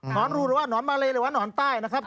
อนรูนหรือว่าหนอนมาเลหรือว่าหนอนใต้นะครับ